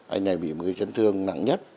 anh này bị một trấn thương nặng nhất